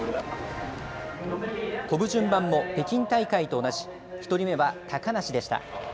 飛ぶ順番も北京大会と同じ、１人目は高梨でした。